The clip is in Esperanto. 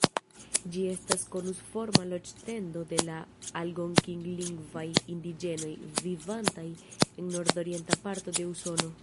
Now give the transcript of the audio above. Ĝi estis konusforma loĝ-tendo de la algonkin-lingvaj indiĝenoj, vivantaj en nordorienta parto de Usono.